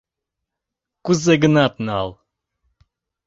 Кузе-гынат нал.